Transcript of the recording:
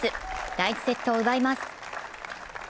第１セットを奪います。